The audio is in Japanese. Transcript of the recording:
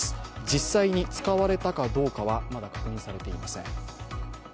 実際に使われたかどうかは、まだ確認されていません。